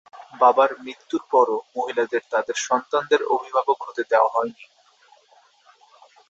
বাবার মৃত্যুর পরও মহিলাদের তাদের সন্তানদের অভিভাবক হতে দেওয়া হয়নি।